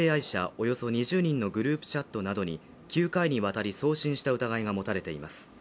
およそ２０人のグループチャットなどに９回にわたり送信した疑いが持たれています。